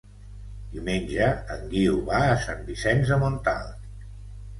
Diumenge en Guiu va a Sant Vicenç de Montalt.